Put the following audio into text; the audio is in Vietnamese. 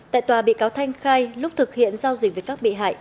tại tòa bị cáo thanh khai lúc thực hiện giao dịch với các bị hại